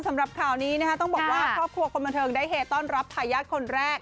สำหรับข่าวนี้นะคะต้องบอกว่าครอบครัวคนบันเทิงได้เฮต้อนรับทายาทคนแรก